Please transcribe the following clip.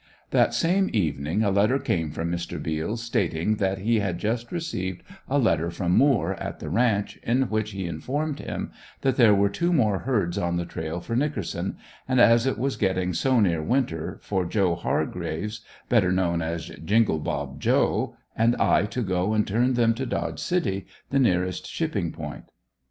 That same evening a letter came from Mr. Beals stating that he had just received a letter from Moore, at the ranch, in which he informed him that there were two more herds on the trail for Nickerson, and, as it was getting so near winter, for Joe Hargraves, better known as "Jinglebob Joe," and I to go and turn them to Dodge City, the nearest shipping point.